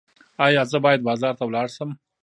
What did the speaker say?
ایا زه باید بازار ته لاړ شم؟